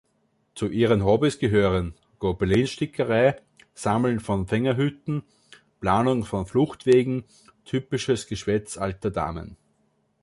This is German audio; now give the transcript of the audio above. Zu ihren Hobbys gehören Gobelinstickerei, Sammeln von Fingerhüten, Planung von Fluchtwegen ... typisches Geschwätz alter Damen.